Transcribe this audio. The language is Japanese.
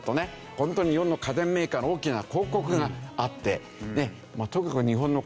ホントに日本の家電メーカーの大きな広告があってとにかく日本の家電はね